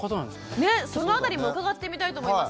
ねっその辺りもうかがってみたいと思います。